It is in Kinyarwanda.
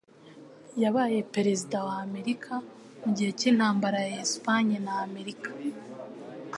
Yabaye perezida wa Amerika mugihe cy'intambara ya Espagne na Amerika